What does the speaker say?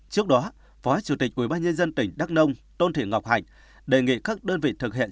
trước đó phó chủ tịch ubnd tỉnh đắk nông tôn thị ngọc hạnh đề nghị các đơn vị thực hiện